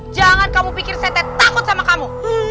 jangan kamu pikir saya teh takut sama kamu